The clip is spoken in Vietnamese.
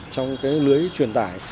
trong lưới truyền tài